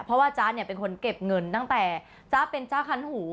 เพราะว่าจ๊ะเนี่ยเป็นคนเก็บเงินตั้งแต่จ๊ะเป็นจ้าคันหู